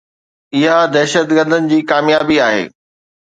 اها دهشتگردن جي ڪاميابي آهي.